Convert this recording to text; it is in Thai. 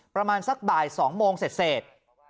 ประมาณสักบ่าย๒โมงเสร็จ